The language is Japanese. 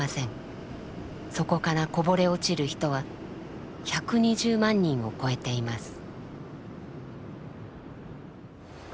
そこからこぼれ落ちる人は１２０万人を超えています。